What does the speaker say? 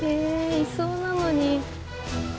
いそうなのに。